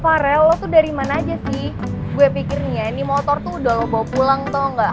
farel lo tuh dari mana aja sih gue pikir nih ya ini motor tuh udah lo bawa pulang tuh enggak